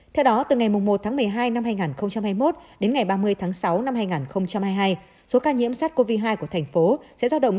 theo đó từ ngày một một mươi hai hai nghìn hai mươi một đến ngày ba mươi sáu hai nghìn hai mươi hai số ca nhiễm sars cov hai của thành phố sẽ ra động